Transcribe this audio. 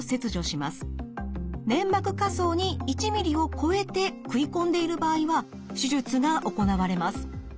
粘膜下層に１ｍｍを超えて食い込んでいる場合は手術が行われます。